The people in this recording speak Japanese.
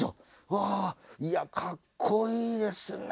わあいやかっこいいですね。